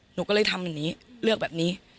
หนูก็เลยทำแบบนี้เลือกแบบนี้